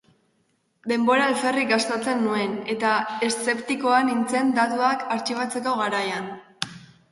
Denbora alferrik gastatzen nuen, eta eszeptikoa nintzen datuak artxibatzeko garaian.